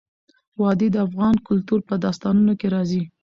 وادي د افغان کلتور په داستانونو کې راځي.